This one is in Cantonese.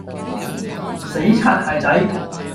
死擦鞋仔